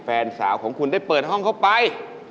แฟนสาวของคุณได้เปิดห้องเข้าไป